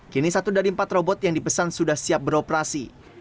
kini satu dari empat robot yang dipesan sudah siap beroperasi